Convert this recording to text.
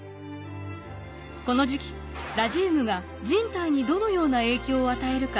この時期ラジウムが人体にどのような影響を与えるか